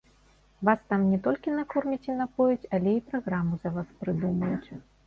Вас там не толькі накормяць і напояць, але і праграму за вас прадумаюць.